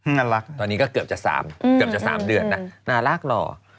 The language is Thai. น่ารักตอนนี้ก็เกือบจะ๓เดือนน่ะน่ารักหรอ